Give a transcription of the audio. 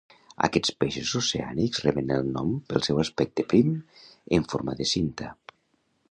Aquests peixos oceànics reben el nom pel seu aspecte prim en forma de cinta.